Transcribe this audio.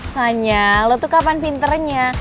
tanya lo tuh kapan pinternya